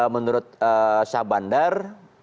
menurut syah bandar